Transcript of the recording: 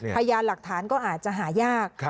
พยานหลักฐานก็อาจจะหายาก